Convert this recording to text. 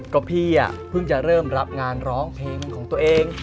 ก็พี่เพิ่งจะเริ่มรับงานร้องเพลงของตัวเอง